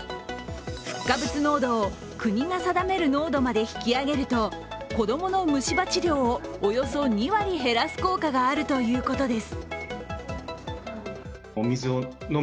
フッ化物濃度を国が定める濃度まで引き上げると子供の虫歯治療をおよそ２割減らす効果があるということです。